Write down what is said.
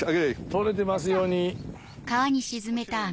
とれてますように。